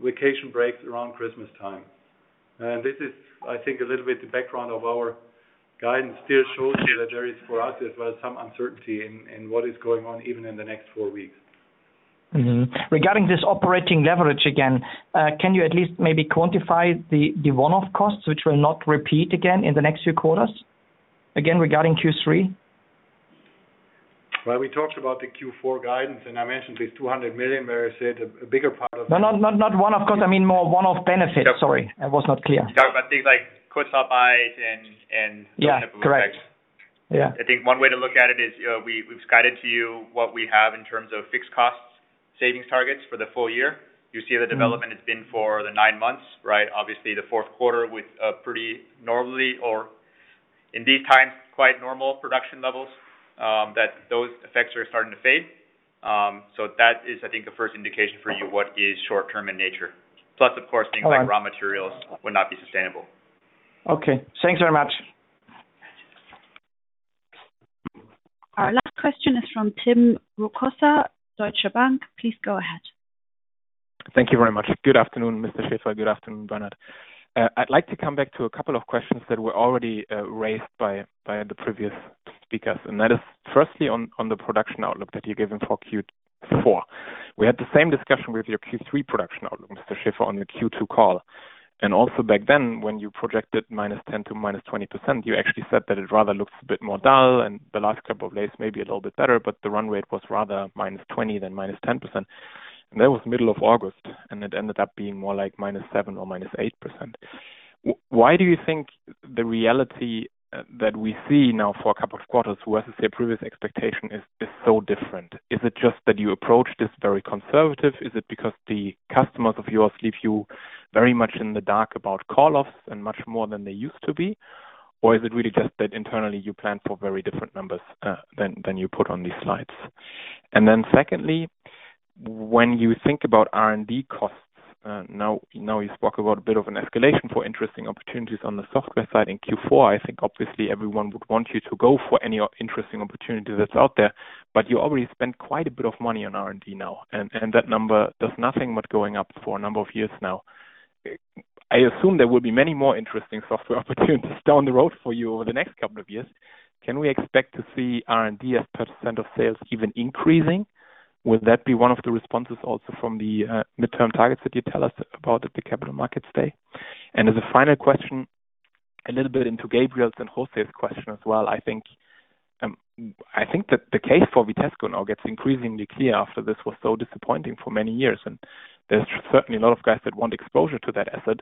vacation breaks around Christmas time. This is, I think, a little bit the background of our guidance still shows here that there is, for us as well, some uncertainty in what is going on even in the next four weeks. Mm-hmm. Regarding this operating leverage again, can you at least maybe quantify the one-off costs which will not repeat again in the next few quarters? Again, regarding Q3. Well, we talked about the Q4 guidance, and I mentioned these 200 million. No, not one-off cost. I mean more one-off benefit. Sorry, I was not clear. You talk about things like cost optimize. Yeah, correct. effects. Yeah. I think one way to look at it is, we've guided to you what we have in terms of fixed costs, savings targets for the full year. You see the development it's been for the nine months, right? Obviously, the fourth quarter with pretty normally or, in these times, quite normal production levels, that those effects are starting to fade. That is, I think, the first indication for you what is short-term in nature. Plus, of course, things like raw materials would not be sustainable. Okay. Thanks very much. Our last question is from Tim Rokossa, Deutsche Bank. Please go ahead. Thank you very much. Good afternoon, Mr. Schäfer. Good afternoon, Bernard. I'd like to come back to a couple of questions that were already raised by the previous speakers. That is firstly on the production outlook that you've given for Q4. We had the same discussion with your Q3 production outlook, Mr. Schäfer, on your Q2 call. Also back then when you projected -10% to -20%, you actually said that it rather looks a bit more dull and the last couple of days, maybe a little bit better, but the run rate was rather -20% than -10%. That was middle of August, and it ended up being more like -7% or -8%. Why do you think the reality that we see now for a couple of quarters versus their previous expectation is so different? Is it just that you approach this very conservative? Is it because the customers of yours leave you very much in the dark about call-offs and much more than they used to be? Or is it really just that internally you plan for very different numbers, than you put on these slides? Secondly, when you think about R&D costs, now you spoke about a bit of an escalation for interesting opportunities on the software side in Q4. I think obviously everyone would want you to go for any interesting opportunity that's out there. You already spent quite a bit of money on R&D now, and that number does nothing but going up for a number of years now. I assume there will be many more interesting software opportunities down the road for you over the next couple of years. Can we expect to see R&D as percentage of sales even increasing? Would that be one of the responses also from the midterm targets that you tell us about at the Capital Markets Day? As a final question, a little bit into Gabriel's and José's question as well, I think that the case for Vitesco now gets increasingly clear after this was so disappointing for many years, and there's certainly a lot of guys that want exposure to that asset.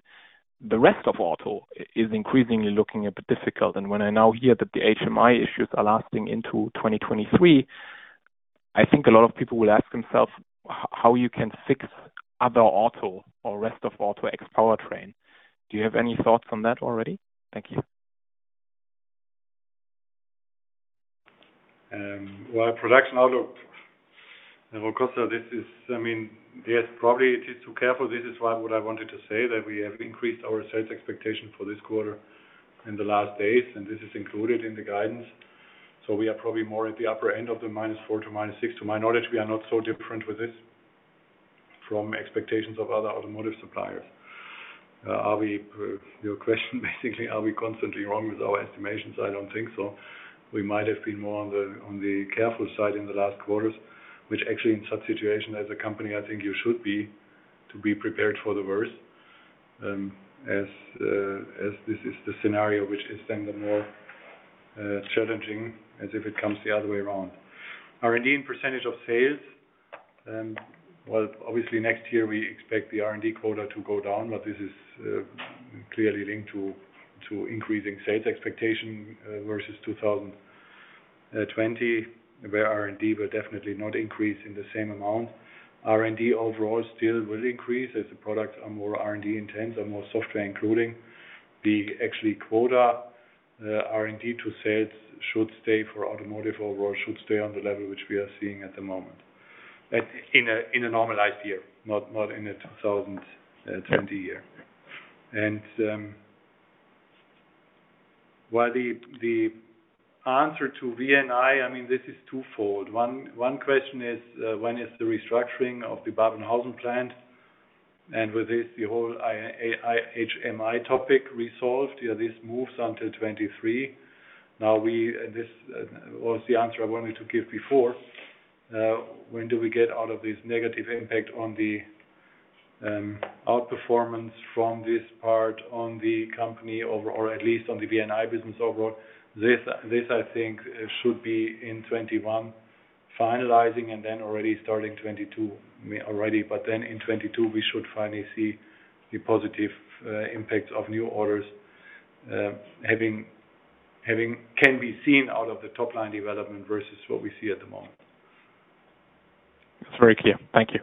The rest of auto is increasingly looking a bit difficult, and when I now hear that the HMI issues are lasting into 2023, I think a lot of people will ask themselves how you can fix other auto or rest of auto ex Powertrain. Do you have any thoughts on that already? Thank you. Well, production outlook, Rokossa, yes, probably it is too careful. This is what I wanted to say, that we have increased our sales expectation for this quarter in the last days. This is included in the guidance. We are probably more at the upper end of the -4% to -6%. To my knowledge, we are not so different with this from expectations of other automotive suppliers. Your question basically, are we constantly wrong with our estimations? I don't think so. We might have been more on the careful side in the last quarters, which actually in such situation as a company, I think you should be to be prepared for the worst, as this is the scenario which is then the more challenging as if it comes the other way around. R&D in percentage of sales, well, obviously next year we expect the R&D quota to go down. This is clearly linked to increasing sales expectation versus 2020, where R&D will definitely not increase in the same amount. R&D overall still will increase as the products are more R&D intense and more software including. The actual quota R&D to sales should stay for automotive overall, should stay on the level which we are seeing at the moment. In a normalized year, not in a 2020 year. Well, the answer to VNI, this is twofold. One question is: When is the restructuring of the Babenhausen plant and with this, the whole HMI topic resolved? This moves until 2023. Now, this was the answer I wanted to give before. When do we get out of this negative impact on the outperformance from this part on the company, or at least on the VNI business overall? This I think should be in 2021 finalizing and then already starting 2022. In 2022, we should finally see the positive impact of new orders can be seen out of the top-line development versus what we see at the moment. That's very clear. Thank you.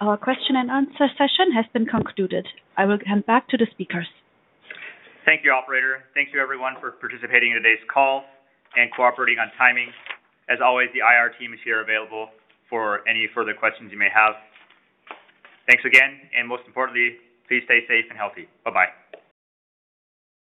Our question and answer session has been concluded. I will hand back to the speakers. Thank you, operator. Thank you everyone for participating in today's call and cooperating on timing. As always, the IR team is here available for any further questions you may have. Thanks again, most importantly, please stay safe and healthy. Bye-bye.